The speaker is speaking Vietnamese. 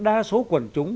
đa số quần chúng